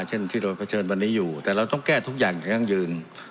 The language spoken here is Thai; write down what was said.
เช่นที่เราเผชิญวันนี้อยู่แต่เราต้องแก้ทุกอย่างอย่างยั่งยืน